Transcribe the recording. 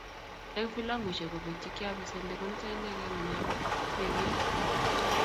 Eng filamuishek kobek chekiapesende, konito inekei nenyalo keker